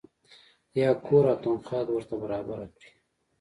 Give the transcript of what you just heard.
یا کور او تنخوا ورته برابره کړي.